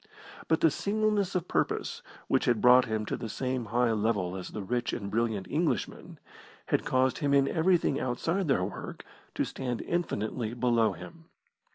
But the singleness of purpose which had brought him to the same high level as the rich and brilliant Englishman, had caused him in everything outside their work to stand infinitely below him.